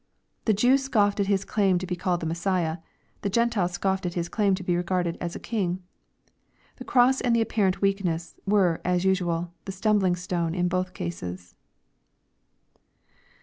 — The Jew scoffed at His claim to be called the Messiah. The Gentile scoffed at His claim to be regarded as a king. The cross and the apparent weakness, were, a? usual, the stumbling stone in both cases.